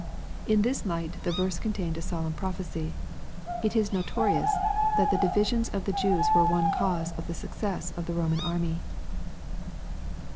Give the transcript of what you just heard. In this light the verse contained a solemp prophecy. It is notorious that the divisions of the Jews were one cause of the success of the Roman army.